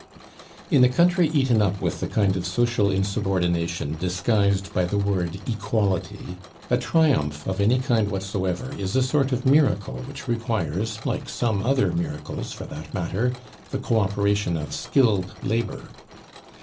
In a country eaten up with the kind of social insubordination disguised by the word Equality, a triumph of any kind whatsoever is a sort of miracle which requires, like some other miracles for that matter, the co operation of skilled labor.